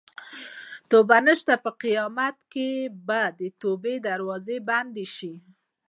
توبه نشته په قیامت کې به د توبې دروازه بنده شي.